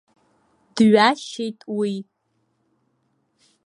Дҩашьеит уи.